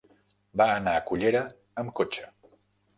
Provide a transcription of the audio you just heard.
Va anar a Cullera amb cotxe.